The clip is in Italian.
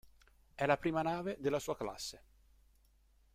È la prima nave della sua classe.